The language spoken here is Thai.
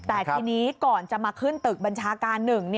แต่ทีนี้ก่อนจะมาขึ้นตึกบัญชาการ๑